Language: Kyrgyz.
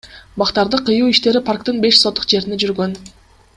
Бактарды кыюу иштери парктын беш сотых жеринде жүргөн.